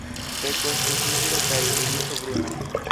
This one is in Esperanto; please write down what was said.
Beko estas nigra kaj iriso bruna.